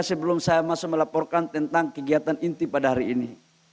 sebelum saya masih melaporkan tentang kegiatan inti pada hari ini